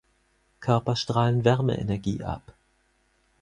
Körper strahlen Wärmeenergie ab.